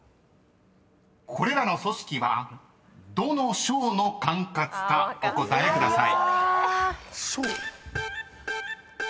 ［これらの組織はどの省の管轄かお答えください］